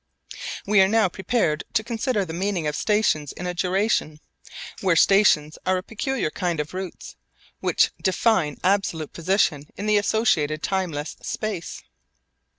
We are now prepared to consider the meaning of stations in a duration, where stations are a peculiar kind of routes, which define absolute position in the associated timeless space.